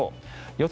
予想